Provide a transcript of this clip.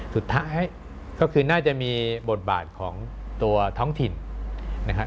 สุดท้ายก็คือน่าจะมีบทบาทของตัวท้องถิ่นนะครับ